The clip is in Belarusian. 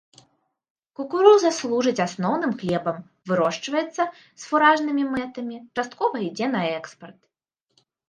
Кукуруза служыць асноўным хлебам, вырошчваецца з фуражнымі мэтамі, часткова ідзе на экспарт.